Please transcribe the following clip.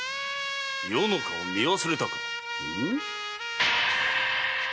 余の顔を見忘れたか？